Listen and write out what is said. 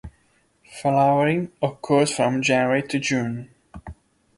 Flowering occurs from January to June.